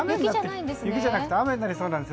雪じゃなくて雨になりそうです。